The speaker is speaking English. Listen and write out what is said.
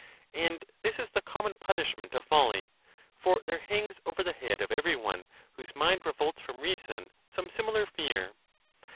And this is the common punishment of folly; for there hangs over the head of every one whose mind revolts from reason some similar fear.